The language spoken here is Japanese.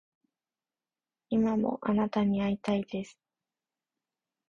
今もあなたに逢いたいです